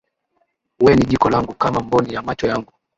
We ni jiko langu, kama mboni ya macho yangu.